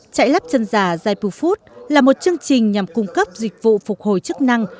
chạy lắp chân giả zypur food là một chương trình nhằm cung cấp dịch vụ phục hồi chức năng